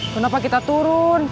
kenapa kita turun